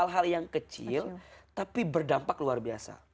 bekalan kecil tapi berdampak luar biasa